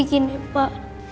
jadi gini pak